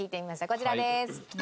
こちらです。